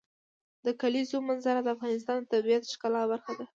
د کلیزو منظره د افغانستان د طبیعت د ښکلا برخه ده.